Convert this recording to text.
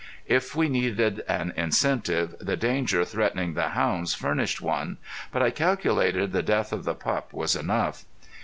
If we needed an incentive, the danger threatening the hounds furnished one; but I calculated the death of the pup was enough.